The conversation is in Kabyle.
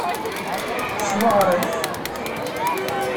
Semɣer-it.